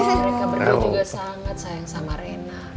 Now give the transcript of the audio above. tapi mereka berdua juga sangat sayang sama rena